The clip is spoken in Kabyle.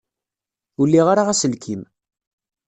Ur liɣ ara aselkim.